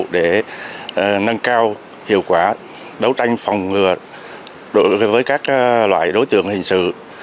để nâng cao hiệu quả đấu tranh phòng ngừa đối với các loại đối tượng hình sự